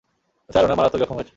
Sir, উনার মারাত্মক জখম হয়েছে।